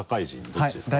どっちですか？